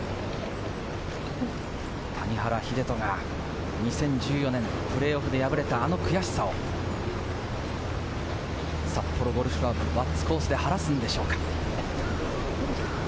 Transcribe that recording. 谷原秀人が２０１４年のプレーオフで敗れたあの悔しさを札幌ゴルフ倶楽部・輪厚コースで、はらすんでしょうか？